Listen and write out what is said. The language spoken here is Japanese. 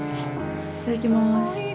いただきます。